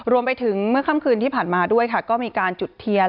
รวมไปถึงเมื่อค่ำคืนที่ผ่านมาด้วยค่ะก็มีการจุดเทียน